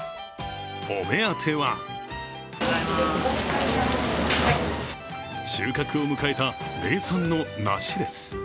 お目当ては収穫を迎えた名産の梨です。